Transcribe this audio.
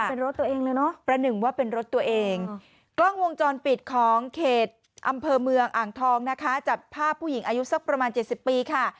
เป็นรถตัวเองเลยเนอะประหนึ่งว่าเป็นรถตัวเองกล้องวงจรปิดของเขตอำเภอเมืองอ่างทองนะคะจับภาพผู้หญิงอายุสักประมาณเจ็ดสิบปีค่ะ